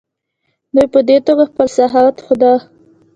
دوی په دې توګه خپل سخاوت ښوده.